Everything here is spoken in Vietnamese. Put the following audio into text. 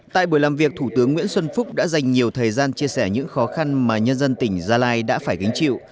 tại buổi làm việc thủ tướng nguyễn xuân phúc đã dành nhiều thời gian chia sẻ những khó khăn mà nhân dân tỉnh gia lai đã phải gánh chịu